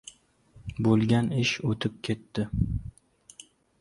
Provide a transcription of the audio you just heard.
• Bo‘lgan ish o‘tib ketdi.